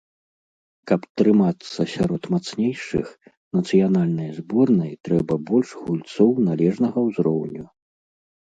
Каб трымацца сярод мацнейшых, нацыянальнай зборнай трэба больш гульцоў належнага ўзроўню.